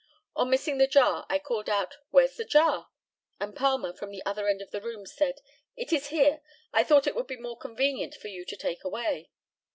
On missing the jar I called out, "Where's the jar?" and Palmer, from the other end of the room, said, "It is here; I thought it would be more convenient for you to take away."